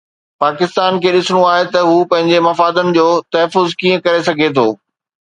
پاڪستان کي ڏسڻو آهي ته هو پنهنجي مفادن جو تحفظ ڪيئن ڪري سگهي ٿو.